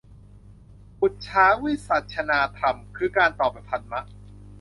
ปุจฉาวิสัชนาธรรม คือการถามตอบธรรมะ